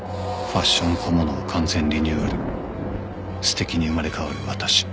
「ファッション小物を完全リニューアル」「素敵に生まれ変わる私」